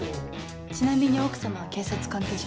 ちなみに奥様は警察関係者ですか？